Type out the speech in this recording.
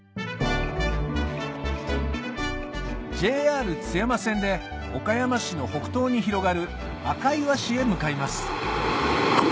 ＪＲ津山線で岡山市の北東に広がる赤磐市へ向かいます